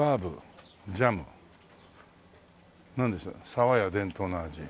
「沢屋伝統の味」